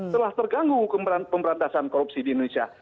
telah terganggu pemberantasan korupsi di indonesia